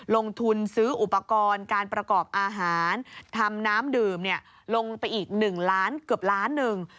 ลงทุนซื้ออุปกรณ์การประกอบอาหารทำน้ำดื่มลงไปอีก๑ล้านเกือบล้านหนึ่ง